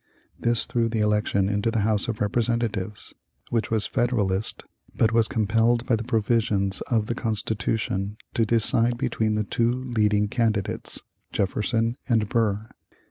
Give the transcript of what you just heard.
This threw the election into the House of Representatives, which was Federalist but was compelled by the provisions of the Constitution to decide between the two leading candidates, Jefferson and Burr.